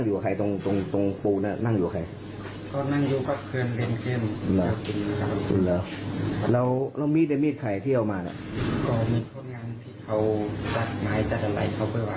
ก็มีคนการที่เขาตัดไม้ตะกำไรเขาไปวางไว้